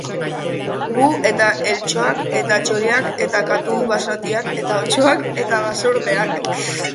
Gu... eta eltxoak eta txoriak eta katu basatiak eta otsoak eta basurdeak.